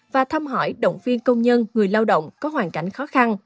và thăm hỏi động viên công nhân người lao động có hoàn cảnh khó khăn